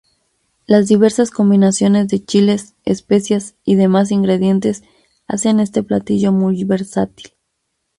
Las diversas combinaciones de chiles, especias y demás ingredientes hacen este platillo muy versátil.